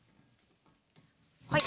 はい。